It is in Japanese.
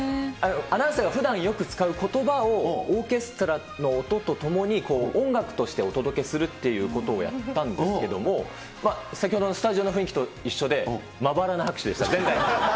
アナウンサーがふだんよく使うことばをオーケストラの音とともに、音楽としてお届けするっていうことをやったんですけども、先ほどのスタジオの雰囲気と一緒で、まばらな拍手でした。